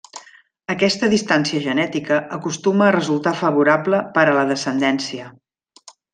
Aquesta distància genètica acostuma a resultar favorable per a la descendència.